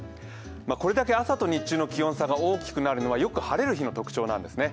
これだけ朝と日中の気温差が大きくなるのはよく晴れる日の特徴なんですね。